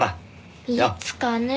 いつかね。